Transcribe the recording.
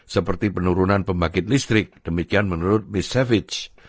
seperti penurunan pembangkit listrik demikian menurut miss savage